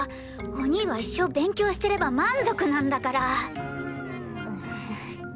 お兄は一生勉強してれば満足なんだから。